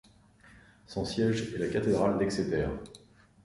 Son siège est la cathédrale d'Exeter.